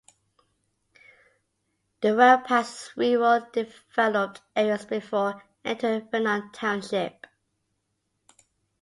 The road passes rural developed areas before entering Vernon Township.